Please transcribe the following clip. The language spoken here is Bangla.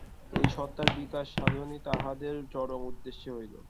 এই সত্তার বিকাশ-সাধনই তাহাদের চরম উদ্দেশ্য হইল।